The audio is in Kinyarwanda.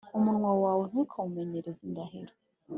Umunwa wawe, ntukawumenyereze indahiro,